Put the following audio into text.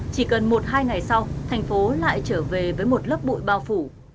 chỉ cần một hai ngày sau thành phố lại trở về với một lớp bụi bao phủ